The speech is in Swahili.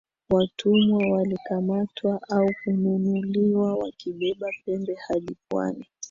Watumwa walikamatwa au kununuliwa wakibeba pembe hadi pwani